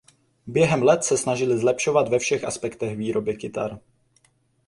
Během let se snažili zlepšovat ve všech aspektech výroby kytar.